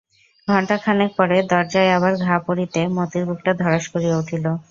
ঘন্টাখানেক পরে দরজায় আবার ঘা পড়িতে মতির বুকটা ধড়াস করিয়া উঠিল।